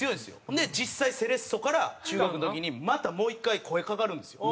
ほんで実際セレッソから中学の時にまたもう１回声かかるんですよ。